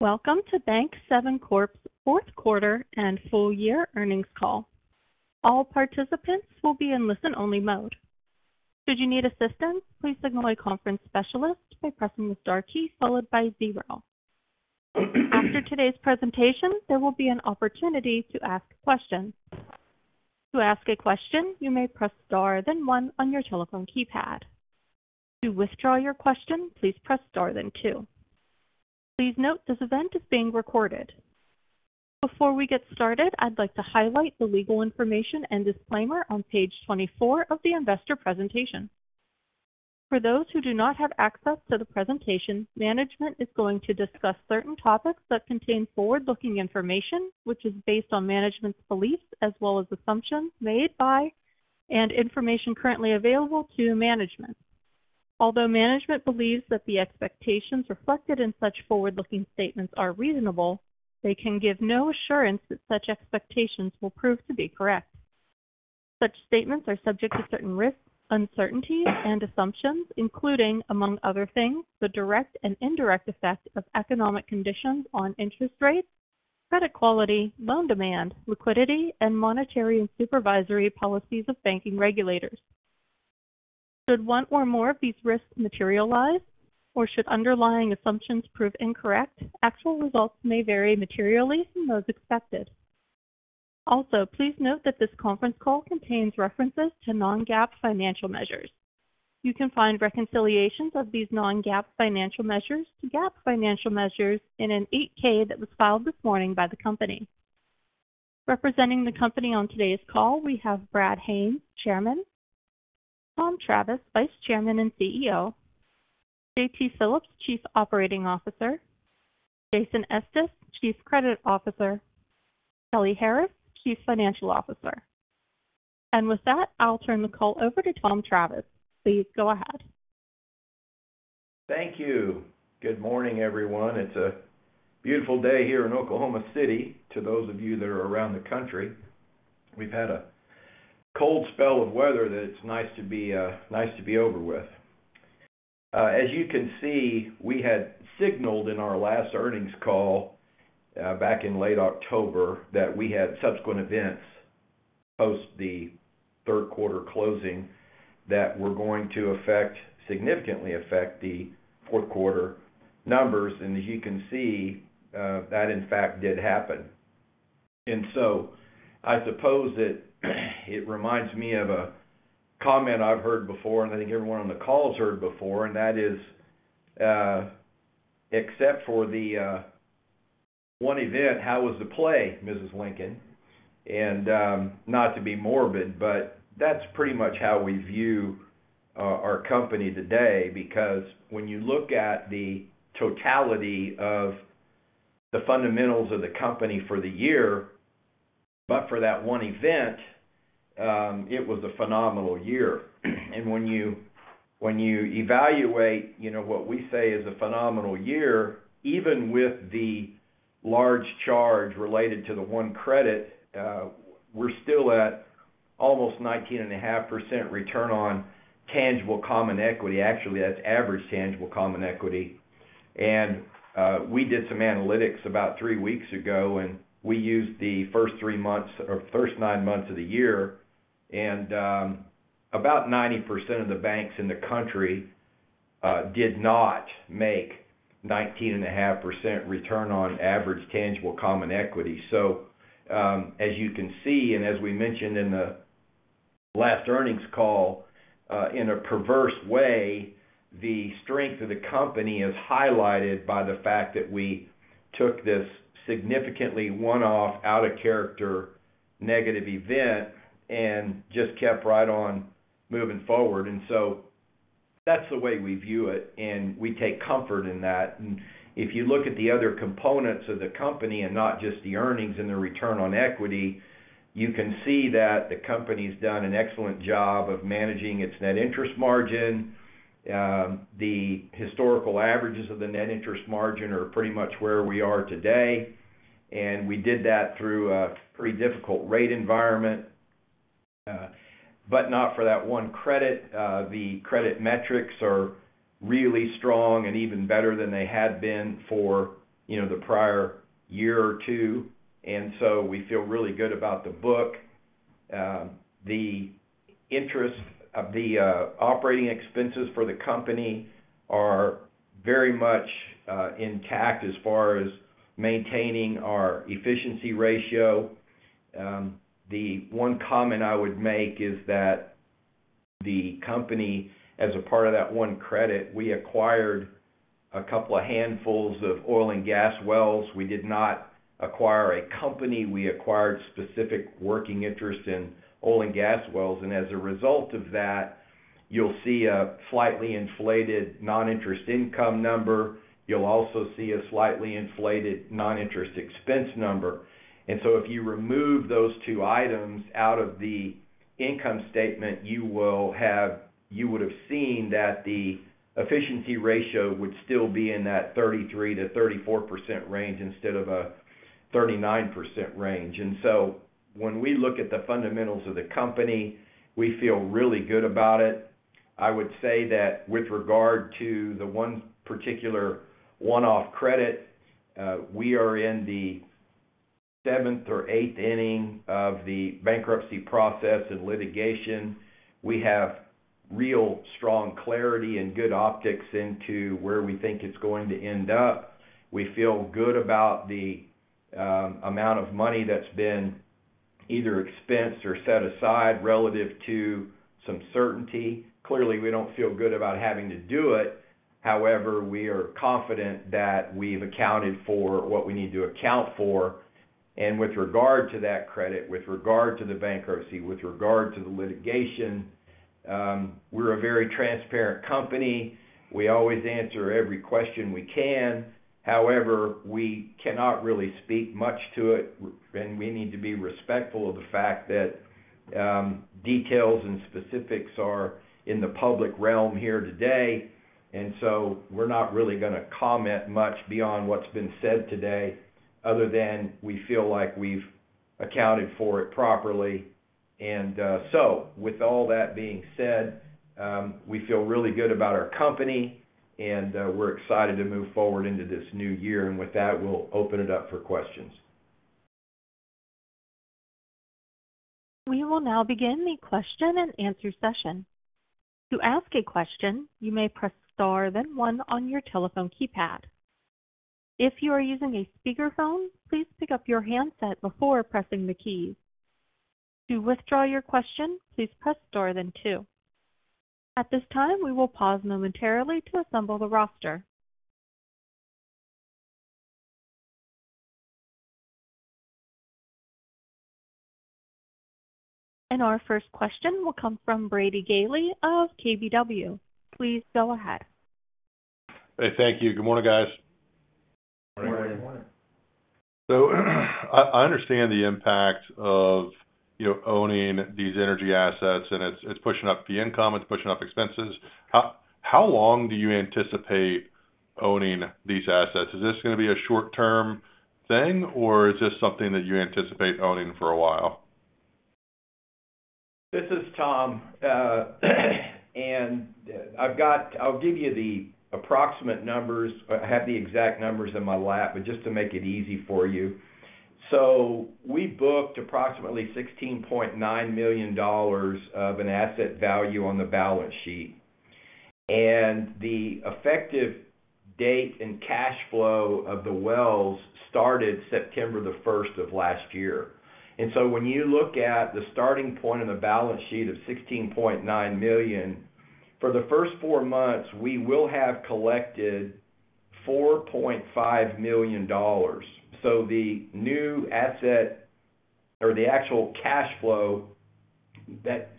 Welcome to Bank7 Corp.'s fourth quarter and full year earnings call. All participants will be in listen-only mode. Should you need assistance, please signal a conference specialist by pressing the star key followed by zero. After today's presentation, there will be an opportunity to ask questions. To ask a question, you may press star, then one on your telephone keypad. To withdraw your question, please press star then two. Please note, this event is being recorded. Before we get started, I'd like to highlight the legal information and disclaimer on page 24 of the investor presentation. For those who do not have access to the presentation, management is going to discuss certain topics that contain forward-looking information, which is based on management's beliefs as well as assumptions made by and information currently available to management. Although management believes that the expectations reflected in such forward-looking statements are reasonable, they can give no assurance that such expectations will prove to be correct. Such statements are subject to certain risks, uncertainties, and assumptions, including, among other things, the direct and indirect effect of economic conditions on interest rates, credit quality, loan demand, liquidity, and monetary and supervisory policies of banking regulators. Should one or more of these risks materialize, or should Underlying assumptions prove incorrect, actual results may vary materially from those expected. Also, please note that this conference call contains references to non-GAAP financial measures. You can find reconciliations of these non-GAAP financial measures to GAAP financial measures in an 8-K that was filed this morning by the company. Representing the company on today's call, we have Brad Haines, Chairman; Tom Travis, Vice Chairman and CEO; J.T. Phillips, Chief Operating Officer, Jason Estes, Chief Credit Officer, Kelly Harris, Chief Financial Officer. And with that, I'll turn the call over to Tom Travis. Please go ahead. Thank you. Good morning, everyone. It's a beautiful day here in OklahomaCity. To those of you that are around the country, we've had a cold spell of weather that it's nice to be over with. As you can see, we had signaled in our last earnings call back in late October that we had subsequent events post the third quarter closing that were going to affect significantly the fourth quarter numbers, and as you can see, that in fact did happen. I suppose that it reminds me of a comment I've heard before, and I think everyone on the call has heard before, and that is, except for the one event, how was the play, Mrs. Lincoln? Not to be morbid, but that's pretty much how we view our company today, because when you look at the totality of the fundamentals of the company for the year, but for that one event, it was a phenomenal year. And when you, when you evaluate, you know, what we say is a phenomenal year, even with the large charge related to the one credit, we're still at almost 19.5% return on tangible common equity. Actually, that's average tangible common equity. And we did some analytics about three weeks ago, and we used the first three months or first nine months of the year, and about 90% of the banks in the country did not make 19.5% return on average tangible common equity. So, as you can see, and as we mentioned in the last earnings call, in a perverse way, the strength of the company is highlighted by the fact that we took this significantly one-off out-of-character, negative event and just kept right on moving forward. And so that's the way we view it, and we take comfort in that. And if you look at the other components of the company and not just the earnings and the return on equity, you can see that the company's done an excellent job of managing its net interest margin. The historical averages of the net interest margin are pretty much where we are today, and we did that through a pretty difficult rate environment, but not for that one credit. The credit metrics are really strong and even better than they had been for, you know, the prior year or two. And so we feel really good about the book. The interest of the operating expenses for the company are very much intact as far as maintaining our Efficiency Ratio. The one comment I would make is that the company, as a part of that one credit, we acquired a couple of handfuls of oil and gas wells. We did not acquire a company, we acquired specific Working Interest in oil and gas wells, and as a result of that, you'll see a slightly inflated non-interest income number. You'll also see a slightly inflated non-interest expense number. And so if you remove those two items out of the income statement, you will have—you would have seen that the efficiency ratio would still be in that 33%-34% range instead of a 39% range. And so when we look at the fundamentals of the company, we feel really good about it. I would say that with regard to the one particular one-off credit, we are in the seventh or eighth inning of the bankruptcy process and litigation. We have real strong clarity and good optics into where we think it's going to end up. We feel good about the amount of money that's been either expensed or set aside relative to some certainty. Clearly, we don't feel good about having to do it. However, we are confident that we've accounted for what we need to account for. And with regard to that credit, with regard to the bankruptcy, with regard to the litigation, we're a very transparent company. We always answer every question we can. However, we cannot really speak much to it, and we need to be respectful of the fact that details and specifics are in the public realm here today, and so we're not really going to comment much beyond what's been said today, other than we feel like we've accounted for it properly. And so with all that being said, we feel really good about our company, and we're excited to move forward into this new year. And with that, we'll open it up for questions. We will now begin the question-and-answer session. To ask a question, you may press Star, then 1 on your telephone keypad. If you are using a speakerphone, please pick up your handset before pressing the key. To withdraw your question, please press Star, then 2. At this time, we will pause momentarily to assemble the roster. Our first question will come from Brady Gailey of KBW. Please go ahead. Hey, thank you. Good morning, guys. Good morning. Good morning. So I understand the impact of, you know, owning these energy assets, and it's pushing up the income, it's pushing up expenses. How long do you anticipate owning these assets? Is this gonna be a short-term thing, or is this something that you anticipate owning for a while? This is Tom, and I've got. I'll give you the approximate numbers. I have the exact numbers in my lap, but just to make it easy for you. So we booked approximately $16.9 million of an asset value on the balance sheet, and the effective date and cash flow of the wells started September the first of last year. And so when you look at the starting point on the balance sheet of $16.9 million, for the first four months, we will have collected $4.5 million. So the new asset or the actual cash flow that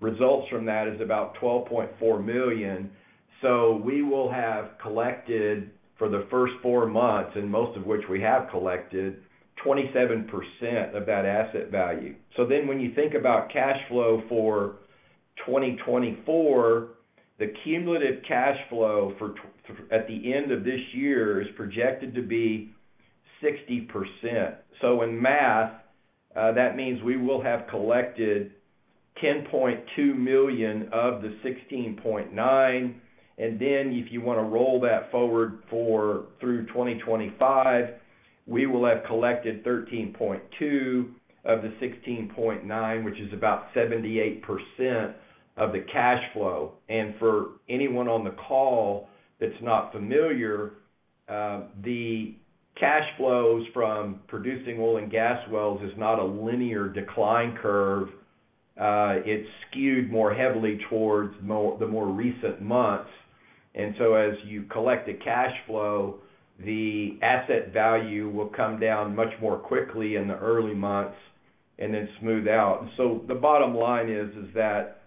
results from that is about $12.4 million. So we will have collected for the first four months, and most of which we have collected, 27% of that asset value. So then, when you think about cash flow for 2024, the cumulative cash flow at the end of this year is projected to be 60%. So in math, that means we will have collected $10.2 million of the $16.9 million. And then, if you want to roll that forward through 2025, we will have collected $13.2 million of the $16.9 million, which is about 78% of the cash flow. And for anyone on the call that's not familiar, the cash flows from producing oil and gas wells is not a linear decline curve. It's skewed more heavily towards the more recent months. And so as you collect the cash flow, the asset value will come down much more quickly in the early months and then smooth out. So the bottom line is, is that,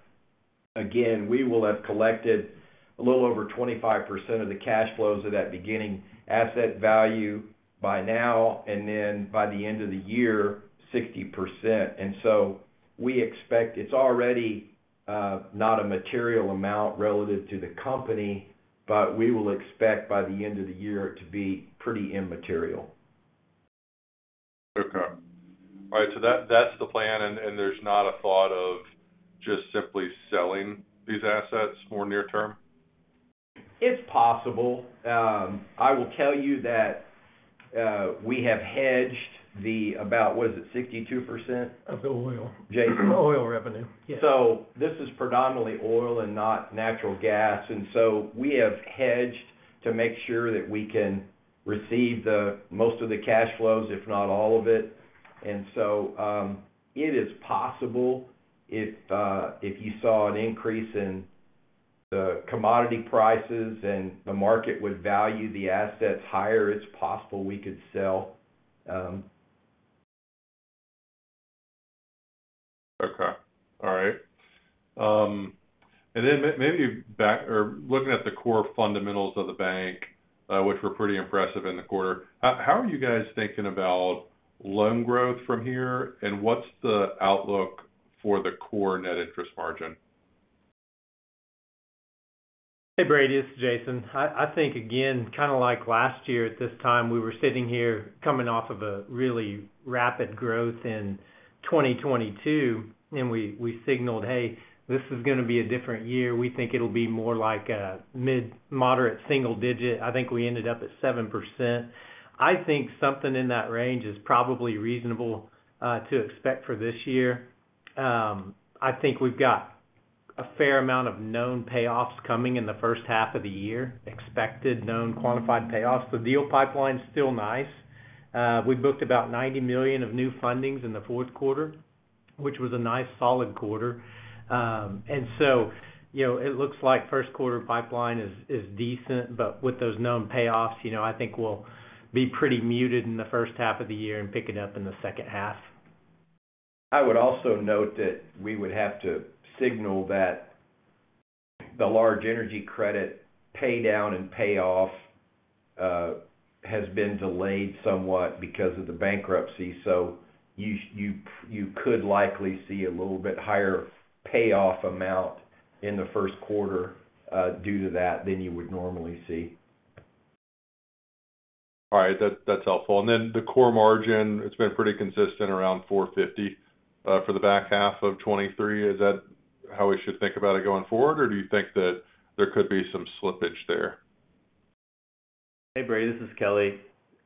again, we will have collected a little over 25% of the cash flows of that beginning asset value by now, and then by the end of the year, 60%. And so we expect it's already not a material amount relative to the company, but we will expect by the end of the year it to be pretty immaterial. Okay. All right, so that, that's the plan, and, and there's not a thought of just simply selling these assets more near term? It's possible. I will tell you that, we have hedged about, what is it, 62%? Of the oil. Jason? The oil revenue, yes. So this is predominantly oil and not natural gas, and so we have hedged to make sure that we can receive the most of the cash flows, if not all of it. And so, it is possible if you saw an increase in the commodity prices and the market would value the assets higher, it's possible we could sell. Okay. All right. And then maybe looking at the core fundamentals of the bank, which were pretty impressive in the quarter, how are you guys thinking about loan growth from here? And what's the outlook for the core net interest margin? Hey, Brady, it's Jason. I think, again, kind of like last year at this time, we were sitting here coming off of a really rapid growth in 2022, and we signaled, "Hey, this is gonna be a different year. We think it'll be more like a mid-moderate single digit." I think we ended up at 7%. I think something in that range is probably reasonable to expect for this year. I think we've got a fair amount of known payoffs coming in the first half of the year, expected, known, quantified payoffs. The deal pipeline's still nice. We booked about $90 million of new fundings in the fourth quarter, which was a nice, solid quarter. So, you know, it looks like first quarter pipeline is decent, but with those known payoffs, you know, I think we'll be pretty muted in the first half of the year and pick it up in the second half. I would also note that we would have to signal that the large energy credit paydown and payoff has been delayed somewhat because of the bankruptcy. So you could likely see a little bit higher payoff amount in the first quarter, due to that, than you would normally see. All right. That, that's helpful. And then the core margin, it's been pretty consistent around 4.50%, for the back half of 2023. Is that how we should think about it going forward, or do you think that there could be some slippage there? Hey, Brady, this is Kelly.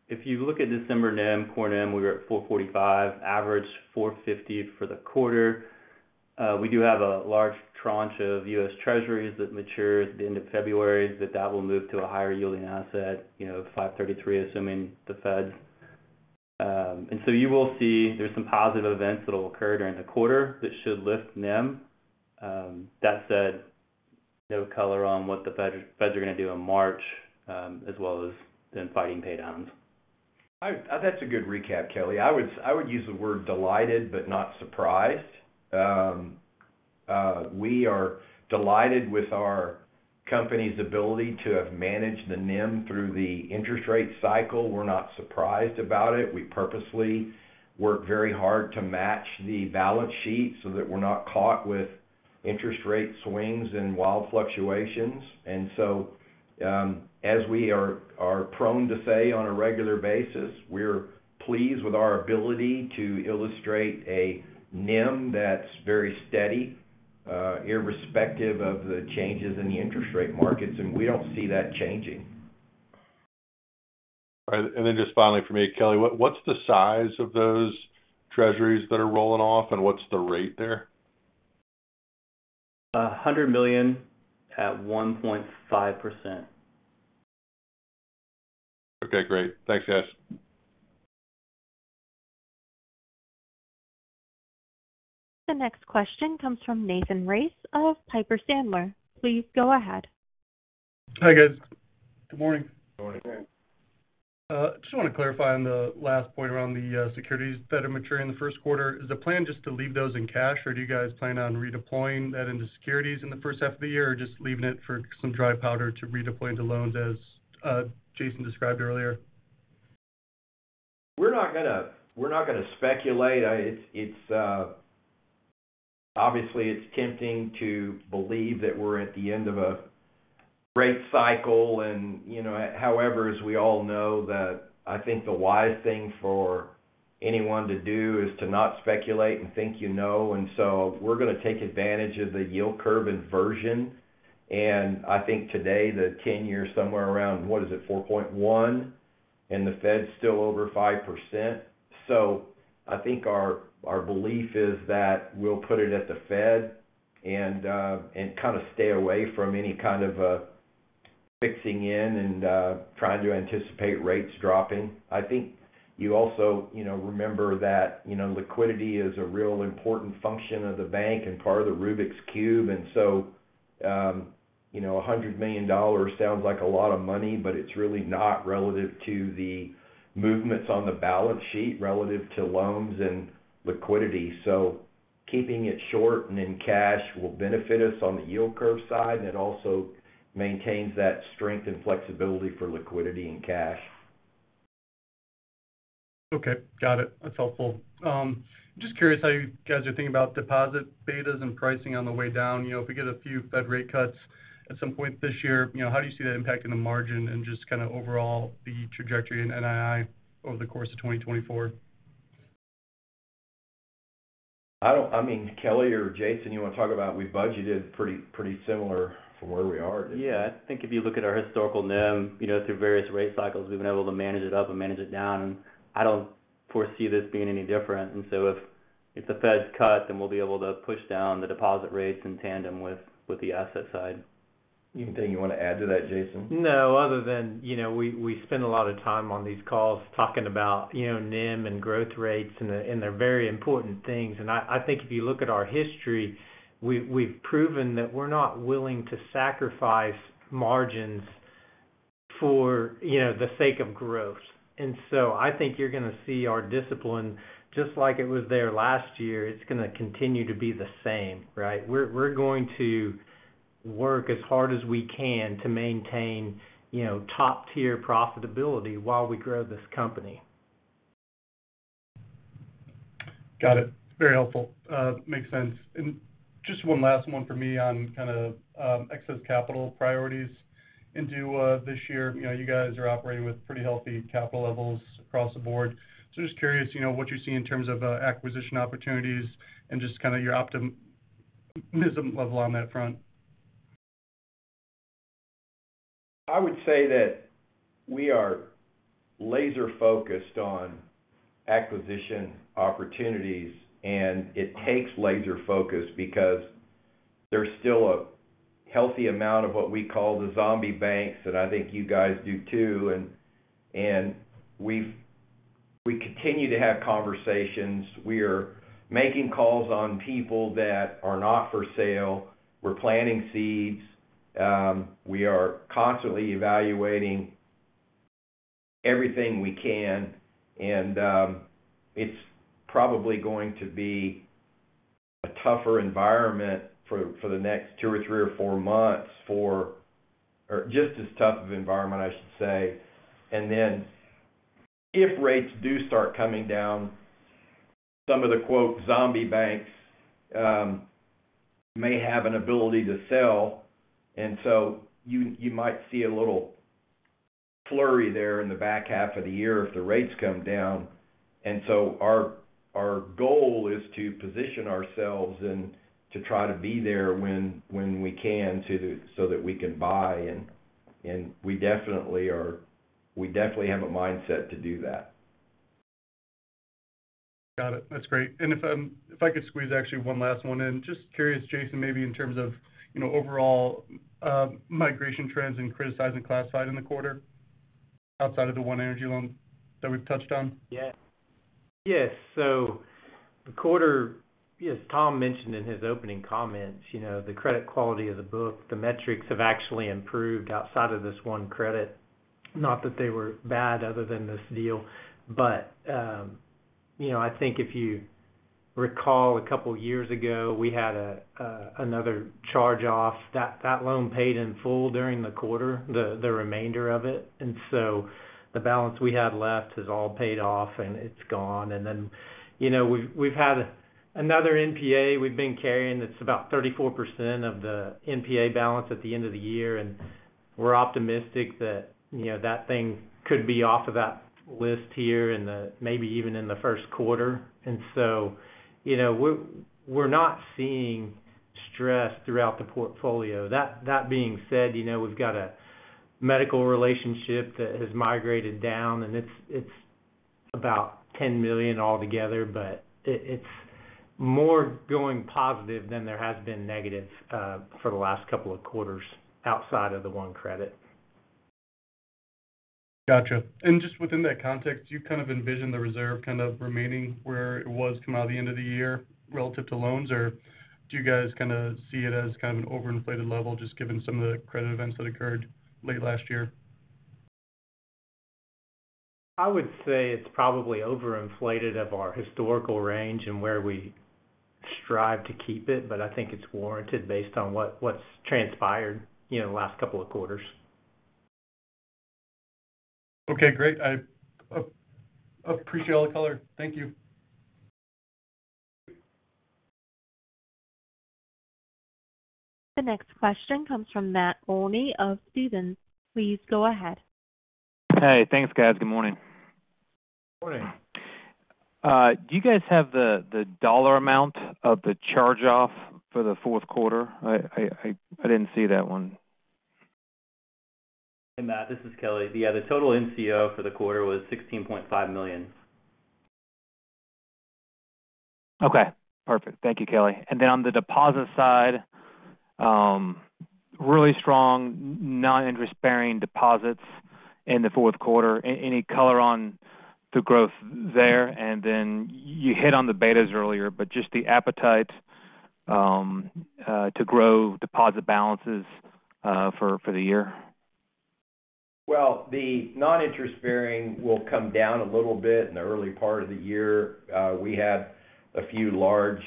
If you look at December NIM, core NIM, we were at 4.45%, average 4.50% for the quarter. We do have a large tranche of U.S. Treasuries that matures at the end of February, that will move to a higher-yielding asset, you know, 5.33%, assuming the Feds. And so you will see there's some positive events that will occur during the quarter that should lift NIM. That said, no color on what the Feds are going to do in March, as well as then fighting paydowns. That's a good recap, Kelly. I would use the word delighted but not surprised. We are delighted with our company's ability to have managed the NIM through the interest rate cycle. We're not surprised about it. We purposely worked very hard to match the balance sheet so that we're not caught with interest rate swings and wild fluctuations. And so, as we are prone to say on a regular basis, we're pleased with our ability to illustrate a NIM that's very steady, irrespective of the changes in the interest rate markets, and we don't see that changing. All right. And then just finally for me, Kelly, what, what's the size of those Treasuries that are rolling off, and what's the rate there? $100 million at 1.5%. Okay, great. Thanks, guys. The next question comes from Nathan Race of Piper Sandler. Please go ahead. Hi, guys. Good morning. Good morning. Good morning. Just want to clarify on the last point around the securities that are maturing in the first quarter. Is the plan just to leave those in cash, or do you guys plan on redeploying that into securities in the first half of the year, or just leaving it for some dry powder to redeploy into loans, as Jason described earlier? We're not gonna speculate. It's obviously tempting to believe that we're at the end of a rate cycle and, you know. However, as we all know, I think the wise thing for anyone to do is to not speculate and think you know. And so we're going to take advantage of the yield curve inversion, and I think today, the 10-year is somewhere around, what is it? 4.1%, and the Fed's still over 5%. So I think our belief is that we'll put it at the Fed and kind of stay away from any kind of fixing in and trying to anticipate rates dropping. I think you also, you know, remember that, you know, liquidity is a real important function of the bank and part of the Rubik's Cube. And so, you know, $100 million sounds like a lot of money, but it's really not relative to the movements on the balance sheet, relative to loans and liquidity. So keeping it short and in cash will benefit us on the yield curve side, and it also maintains that strength and flexibility for liquidity and cash. Okay, got it. That's helpful. Just curious how you guys are thinking about deposit betas and pricing on the way down. You know, if we get a few Fed rate cuts at some point this year, you know, how do you see that impacting the margin and just kind of overall the trajectory in NII over the course of 2024? I don't, I mean, Kelly or Jason, you want to talk about, we budgeted pretty, pretty similar from where we are. Yeah. I think if you look at our historical NIM, you know, through various rate cycles, we've been able to manage it up and manage it down, and I don't foresee this being any different. And so if, if the Feds cut, then we'll be able to push down the deposit rates in tandem with, with the asset side. Anything you want to add to that, Jason? No, other than, you know, we spend a lot of time on these calls talking about, you know, NIM and growth rates, and they're very important things. And I think if you look at our history, we've proven that we're not willing to sacrifice margins for, you know, the sake of growth. And so I think you're going to see our discipline, just like it was there last year, it's going to continue to be the same, right? We're going to work as hard as we can to maintain, you know, top-tier profitability while we grow this company. Got it. Very helpful. Makes sense. And just one last one for me on kind of, excess capital priorities into this year. You know, you guys are operating with pretty healthy capital levels across the board. So just curious, you know, what you see in terms of, acquisition opportunities and just kind of your optimism level on that front. I would say that we are laser-focused on acquisition opportunities, and it takes laser focus because there's still a healthy amount of what we call the zombie banks, that I think you guys do, too. And we continue to have conversations. We are making calls on people that are not for sale. We're planting seeds. We are constantly evaluating everything we can, and it's probably going to be a tougher environment for the next 2 or 3 or 4 months or just as tough of environment, I should say. And then, if rates do start coming down, some of the, quote, "zombie banks," may have an ability to sell, and so you might see a little flurry there in the back half of the year if the rates come down. So our goal is to position ourselves and to try to be there when we can, so that we can buy, and we definitely have a mindset to do that. Got it. That's great. And if I could squeeze actually one last one in. Just curious, Jason, maybe in terms of, you know, overall migration trends and criticized and classified in the quarter outside of the one energy loan that we've touched on? Yes. So the quarter. Yes, Tom mentioned in his opening comments, you know, the credit quality of the book, the metrics have actually improved outside of this one credit, not that they were bad other than this deal. But, you know, I think if you recall, a couple of years ago, we had another charge-off. That loan paid in full during the quarter, the remainder of it, and so the balance we had left is all paid off and it's gone. And then, you know, we've had another NPA we've been carrying. It's about 34% of the NPA balance at the end of the year, and we're optimistic that, you know, that thing could be off of that list here in the, maybe even in the first quarter. And so, you know, we're not seeing stress throughout the portfolio. That, that being said, you know, we've got a medical relationship that has migrated down, and it's about $10 million altogether, but it's more going positive than there has been negative for the last couple of quarters, outside of the one credit. Got you. And just within that context, do you kind of envision the reserve kind of remaining where it was coming out at the end of the year relative to loans, or do you guys kinda see it as kind of an overinflated level, just given some of the credit events that occurred late last year? I would say it's probably overinflated of our historical range and where we strive to keep it, but I think it's warranted based on what's transpired, you know, in the last couple of quarters. Okay, great. I appreciate all the color. Thank you. The next question comes from Matt Olney of Stephens. Please go ahead. Hey, thanks, guys. Good morning. Morning. Do you guys have the dollar amount of the charge-off for the fourth quarter? I didn't see that one. Hey, Matt, this is Kelly. Yeah, the total NCO for the quarter was $16.5 million. Okay, perfect. Thank you, Kelly. And then on the deposit side, really strong non-interest-bearing deposits in the fourth quarter. Any color on the growth there? And then you hit on the betas earlier, but just the appetite to grow deposit balances for the year. Well, the non-interest-bearing will come down a little bit in the early part of the year. We had a few large,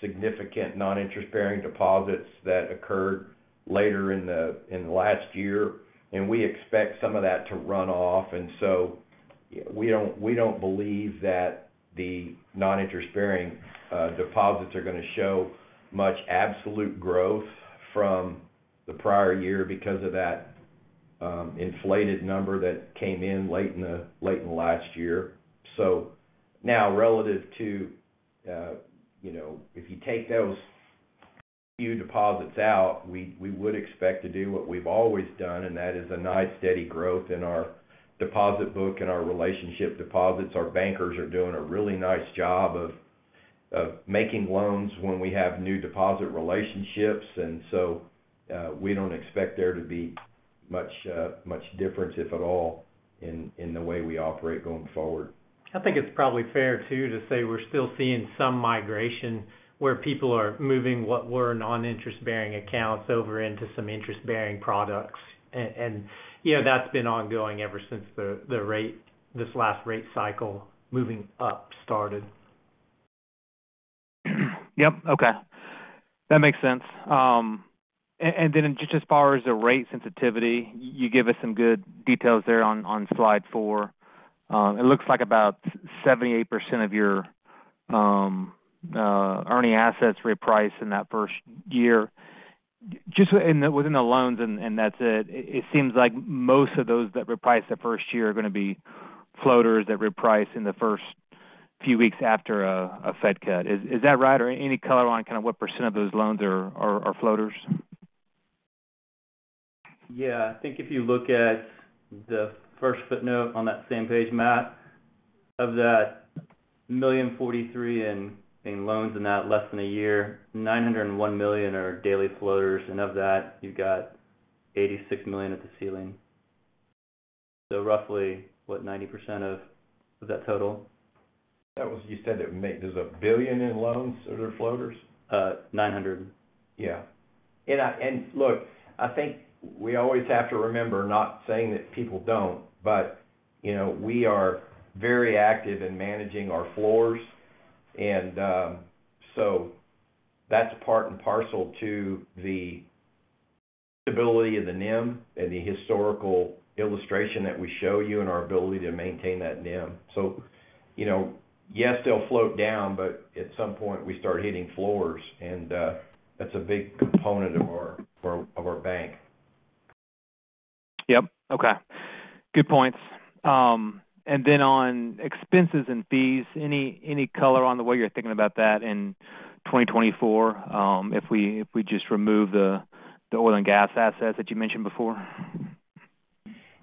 significant non-interest-bearing deposits that occurred later in the last year, and we expect some of that to run off. And so we don't believe that the non-interest-bearing deposits are gonna show much absolute growth from the prior year because of that, inflated number that came in late in last year. So now, relative to, you know, if you take those few deposits out, we would expect to do what we've always done, and that is a nice, steady growth in our deposit book and our relationship deposits. Our bankers are doing a really nice job of making loans when we have new deposit relationships, and so we don't expect there to be much difference, if at all, in the way we operate going forward. I think it's probably fair, too, to say we're still seeing some migration where people are moving what were non-interest-bearing accounts over into some interest-bearing products. And, you know, that's been ongoing ever since the rate, this last rate cycle, moving up started. Yep. Okay, that makes sense. And then just as far as the rate sensitivity, you gave us some good details there on slide 4. It looks like about 78% of your earning assets reprice in that first year. Just within the loans, and that's it. It seems like most of those that reprice the first year are going to be floaters that reprice in the first few weeks after a Fed cut. Is that right? Or any color on kind of what percent of those loans are floaters? Yeah, I think if you look at the first footnote on that same page, Matt, of that $1,043 million in loans in that less than a year, $901 million are daily floaters, and of that, you've got $86 million at the ceiling. So roughly, what, 90% of that total? You said it. There's $1 billion in loans that are floaters? $900 million. Yeah. And look, I think we always have to remember, not saying that people don't, but, you know, we are very active in managing our floors. And so that's part and parcel to the stability of the NIM and the historical illustration that we show you and our ability to maintain that NIM. So, you know, yes, they'll float down, but at some point, we start hitting floors, and that's a big component of our, of our bank. Yep. Okay. Good points. And then on expenses and fees, any color on the way you're thinking about that in 2024, if we just remove the oil and gas assets that you mentioned before?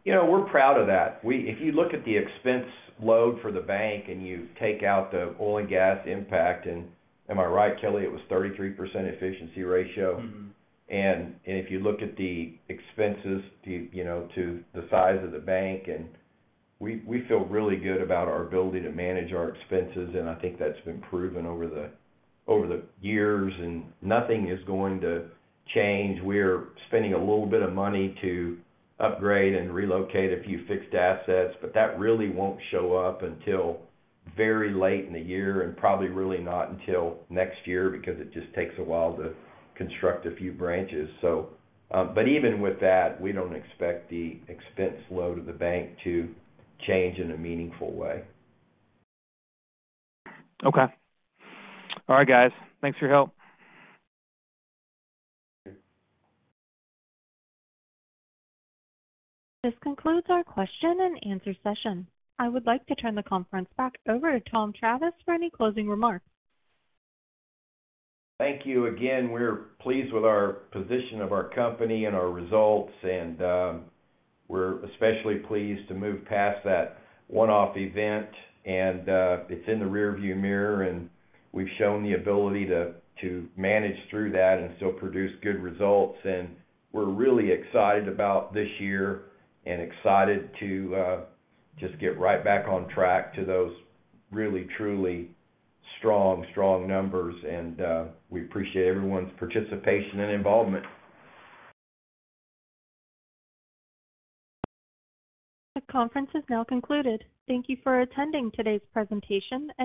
You know, we're proud of that. If you look at the expense load for the bank and you take out the oil and gas impact, and am I right, Kelly? It was 33% efficiency ratio. Mm-hmm. And if you look at the expenses, too, you know, to the size of the bank, and we feel really good about our ability to manage our expenses, and I think that's been proven over the years, and nothing is going to change. We're spending a little bit of money to upgrade and relocate a few fixed assets, but that really won't show up until very late in the year and probably really not until next year, because it just takes a while to construct a few branches. So, but even with that, we don't expect the expense load of the bank to change in a meaningful way. Okay. All right, guys. Thanks for your help. Thank you. This concludes our question and answer session. I would like to turn the conference back over to Tom Travis for any closing remarks. Thank you again. We're pleased with our position of our company and our results, and we're especially pleased to move past that one-off event, and it's in the rearview mirror, and we've shown the ability to manage through that and still produce good results. We're really excited about this year and excited to just get right back on track to those really, truly strong, strong numbers. We appreciate everyone's participation and involvement. The conference is now concluded. Thank you for attending today's presentation, and-